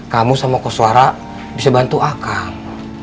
kamu sama koswara bisa bantu akang